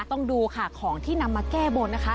ต้องดูค่ะของที่นำมาแก้บนนะคะ